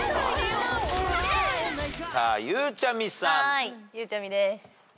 ゆうちゃみです。